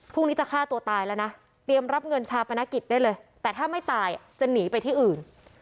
จะฆ่าตัวตายแล้วนะเตรียมรับเงินชาปนกิจได้เลยแต่ถ้าไม่ตายจะหนีไปที่อื่น